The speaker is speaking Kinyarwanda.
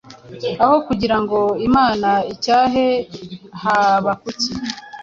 Aho kugira ngo Imana icyahe Habakuki,